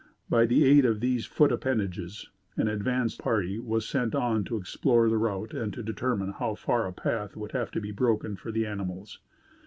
By the aid of these foot appendages, an advance party was sent on to explore the route and to determine how far a path would have to be broken for the animals.